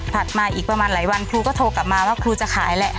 มาอีกประมาณหลายวันครูก็โทรกลับมาว่าครูจะขายแหละ